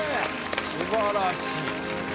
素晴らしい。